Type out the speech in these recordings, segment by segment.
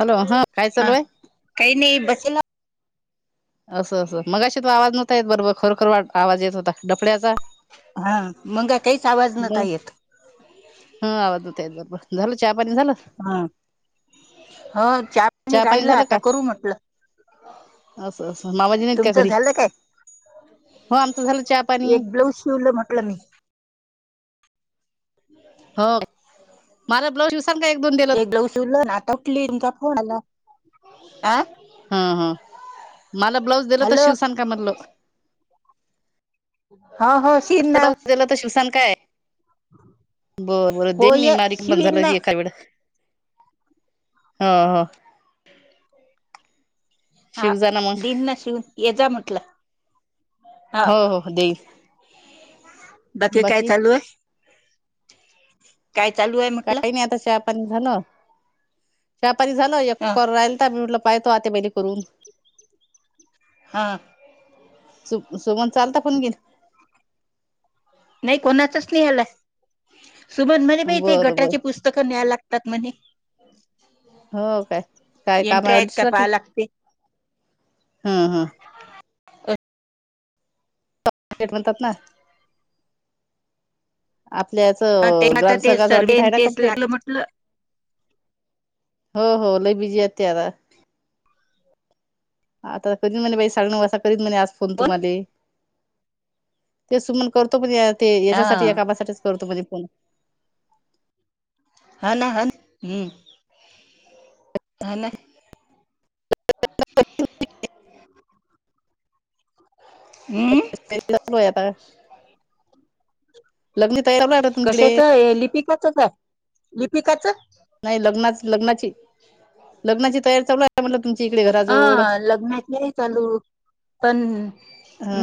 Hello हा काय चालूय! काही नाही बसेला. असं असं मग अे तो आवाज नव्हता. येत बरोबर खरोखर वा आवाज येत होता डफळ्याचा हा मंग काहीच आवाज नव्हता मग येत हा आतय बरोबर झालं चहा पाणी झालं हम ह चहापाणी चहा पाणी राहिला झालं आता का करू म्हटलं असं असं मामाजी नाहीत. काय तुमचं घरी झालं काय हो आमचं झालं चहा पाणी एक ब्लाऊज शिवलं म्हटलं मी हो मला ब्लाऊज का एक दोन दिलं एक ब्लाउज शिवलं ना आता उठली तुमच्या फोनला अ हा हा मला ब्लाउज दिला तर हॅलो शिवशान म्हटलं हा हो शिन स ना गेलं तर शिवसान काय! बर बरं हो देन मी ये मारीक पण शिवीन झाला ना की एका वेळ हो हो हा शिवजा ना मग दिन न शिवून येचा म्हटलं. हा हो हो देईन बाकी काय चालू आहे. ह काय चालू आहे. काही नाही आता चहापाणी झालं चहापानी झाल एक हा कॉल राहिली पाहतो आत्याबाईला पहिले करून हा सु सोमन चालता पण गे नाही कोणाचच नि हला सुमन म्हणे बा ते बरं बर गटाची पुस्तकं न्यायला लागतात म्हणे हो काय, काय काम एंट्री आहे आहेत का पाहा अवडीसाठीजाती लागते [unintelligible] हम हम. थेट म्हणतात ना आपल्या ह ते याचं आता ते ग्रामसंघाचं सर्वे ऑडिट आहे ना तेच कम्प्लीट लागल म्हटलं. हो हो लय बीजी हाय ती आता. आता कीन म्हणे साग वा [unintelligible] कीत म्ह फोन कोण तुम्हाले, ते सुमन करतो पण हा याच्यासाठी या कामासाठी करतो म्हणजे फोण. हा ना ह हम्म. ह ना. हम्म. मरी होया त [unintelligible] लग्न तयारी चालू आहे का तुमच्याकडे कशाच लिपिकाच का? लिपिकाचं? नाही लग्नाच लग्नाची लग्नाची तयारी चालू आहे. म्हणलं तुमच्या इकडे घरात आ लग्नात आहेना चालू, पण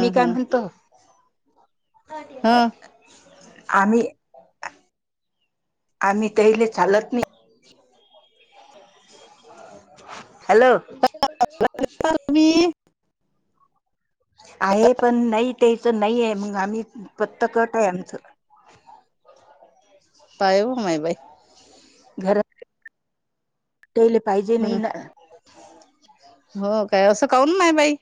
मी काय हं म्हणतो, आ हं आम्ही आम्ही त्याईले चालत नाही. हॅलो? वी. आहे पण नाही त्यायच नाहीये, मग आम्ही पत्ता कट आहे आमचं. पायो माय बाई. घरात तेले पाहिजे नाही ना. होका असं काऊनमाय बाई?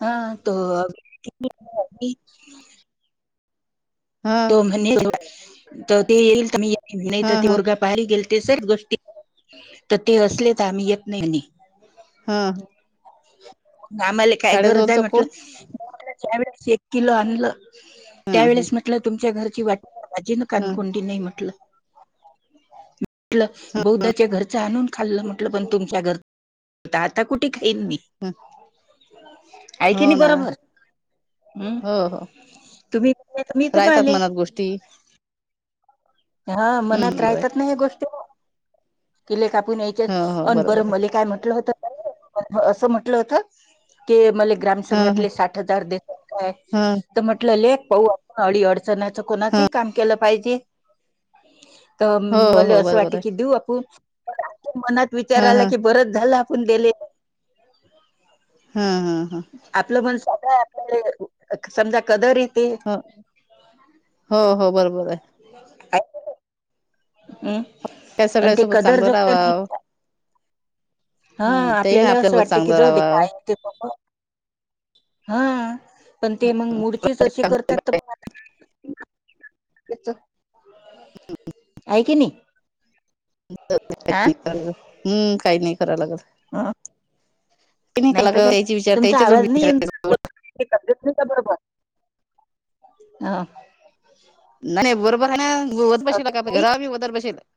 हा तो [unintelligible] अती. हं तो म्हणे, तो येइल ते येईल, मी येई नाही तर हं ते हं पोरगा बाहेर गेल ते सर गोष्टी तर ते असले तर आम्ही येत नाही म्हणे. हा. आम्हाले काय गरज आहे शाळेजवळचा म्हटलं. कोण ज्या वेळेस एक किलो आणलं, त्यावेेळेस म्हटलं तुमच्या घरची वाट आजीन हं काणकोंडी नाही म्हटलं. म्हटलं बौद्धाच्या घरचं आणून खाल्लं म्हटलं, पण तुमच्या घर आता आता कुठ खाईन मि. हम. आहे कि नाही बरोबर? हम्, तुम्ही मी रायतात तुम्हाले मनात गोष्टी. हा मनात हम्म बर रायतात ना ह्या गोष्टी, किले कापून हो [unintelligible] हो अन बर बरोबर आहे मले काय म्हटलं होत? असं म्हंटलं होत. के मले हं ग्रामसंघातले, साठ हजार देत ये काय, हं तर म्हटलं लेक पाऊ. अडी अडचनाच कोणाचइ काम केलं पाहिजे. तर हो मले हो असं बरोबर वाटे आहे की देऊ आपून, मनात विचार हं आला हं की बरच झालं आपण देले. हं हं हं. आपलं मन [unintelligible] स्वत आपल्या समजा कदरिते. हो हो हो बरोबर आहे. हम् त्या [unintelligible] प ते सगळ्यासोबत कदर चांगलं राहावाव जगत. हं तेही ना आपल्याला असं आपल्यासोबत वाटत की, चांगलं जाऊ दे राहावाव काय हं पण ते मग मुरचीच अशी करतात, [unintelligible] तरघ आता [unintelligible] ऐ कि नाही? आ [unintelligible] कराग हम्, काही नाही कराव लागत. अं, काही नाही करावं तर लागत काय? त्याची विचार तुमचा त्याच्या जवळ आवाज नाही येऊन विचारायचं तब्येत नाही का बरोबर हा. न नाही बरोबर आहे ओत बसला अजून का काही? घराम ओदर बसला.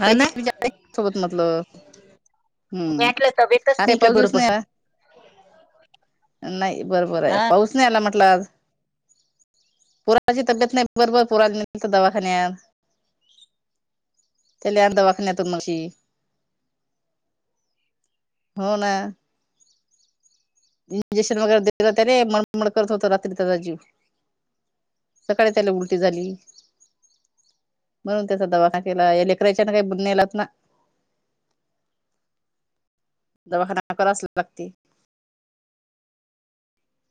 हा ना त्याची विचार सोबत म्हटलं. हम्म मीटलं तवेतच अरे नाही का पाऊस दिवस बरोबर. नाही नाही बरोबर आहे हा पाऊस नाही आला म्हटलं आज पुराची तब्येत नाही बरोबर पुरा तर दवाखान्यात. चल्या आ दवाखण्या तुमशी हो ना. इंजेक्शन वगैरे त्या रे मणमण करत होतो रात्री त्याचा जीव सकाळी त्याला उलटी झाली. म्हणून त्याचा दवाखान केला लेकरायच्या काही बुनलाच ना दवाखाना करावा असला लागते.